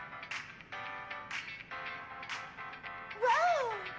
ワオ。